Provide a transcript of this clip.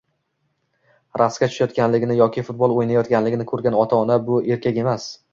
raqsga tushayotganligini yoki futbol o‘ynayotganligini ko‘rgan ota-ona bu ermak emas